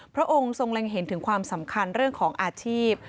พระองค์ทรงเล็งเห็นถึงความสำคัญเรื่องของอาชีพ